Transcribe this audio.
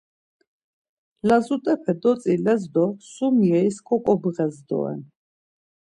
Lazut̆epe dotziles do sum yeris koǩobğes doren.